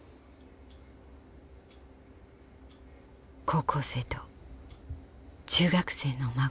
高校生と中学生の孫。